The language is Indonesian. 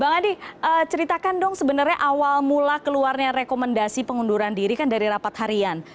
bang adi ceritakan dong sebenarnya awal mula keluarnya rekomendasi pengunduran diri kan dari rapat harian